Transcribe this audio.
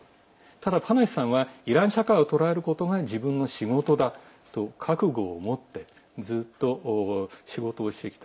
ただパナヒさんはとらえることが自分の仕事だと覚悟を持ってずっと仕事をしてきた。